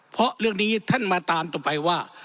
เพราะเรื่องนี้ท่านมาตามต่อไปว่า